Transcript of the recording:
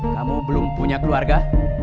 kamu belum punya keluarga